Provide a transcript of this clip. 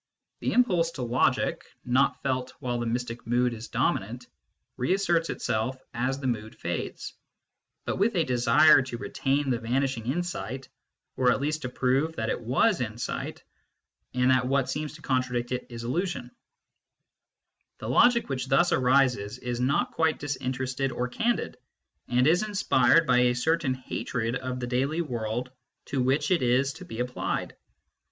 The impulse to logic, not felt while the mystic mood is dominant, reasserts itself as the mood fades, but with a desire to retain the vanishing insight, or at least to prove that it was insight, and that what seems to contradict it is illu sion, The logic which thus arises is not quite dis interested or candid, and is inspired by a certain hatred of the daily world to which it is to be applied.